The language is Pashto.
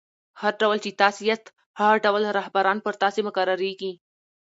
هر ډول، چي تاسي یاست؛ هغه ډول رهبران پر تاسي مقررېږي.